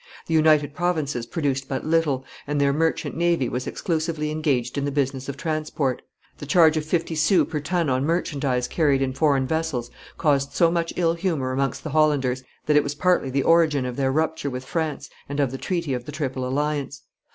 The United Provinces produced but little, and their merchant navy was exclusively engaged in the business of transport; the charge of fifty sous per ton on merchandise carried in foreign vessels caused so much ill humor amongst the Hollanders that it was partly the origin of their rupture with France and of the treaty of the Triple Alliance.